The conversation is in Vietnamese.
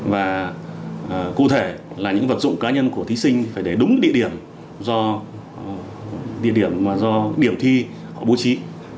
và cụ thể là những vật dụng cá nhân của thí sinh phải để đúng địa điểm do địa điểm mà do điểm thi họ bố trí